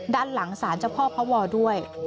ด้านหลังสารเจ้าพ่อพระวอด้วย